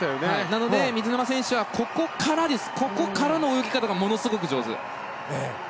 なので、水沼選手はここからの泳ぎ方がものすごく上手。